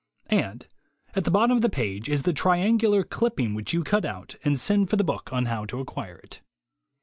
And at the bottom of the page is the triangular clipping which you cut out and send for the book on how to acquire it.